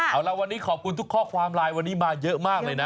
เอาละวันนี้ขอบคุณทุกข้อความไลน์วันนี้มาเยอะมากเลยนะ